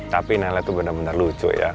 tapi nenek itu benar benar lucu ya